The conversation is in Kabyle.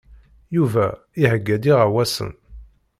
Yuba iheyya-d iɣawasen.